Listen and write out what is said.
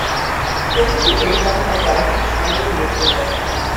শেষের দিকে এই সংখ্যা কয়েকশো ছাড়িয়ে গিয়েছিল।